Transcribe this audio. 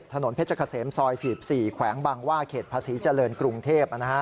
ถนนเพชรเกษมซอย๔๔แขวงบางว่าเขตภาษีเจริญกรุงเทพ